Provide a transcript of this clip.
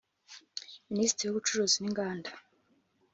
Minisitiri w’ubucuruzi n’inganda